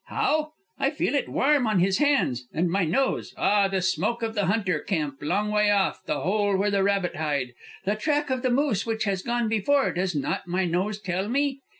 "How? I feel it warm on his hands. And my nose ah, the smoke of the hunter camp long way off, the hole where the rabbit hide, the track of the moose which has gone before, does not my nose tell me?"